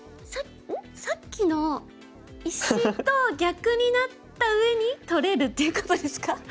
さっきの石と逆になったうえに取れるっていうことですか？